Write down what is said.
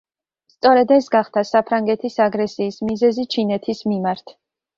სწორედ ეს გახდა საფრანგეთის აგრესიის მიზეზი ჩინეთის მიმართ.